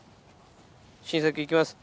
新作行きます。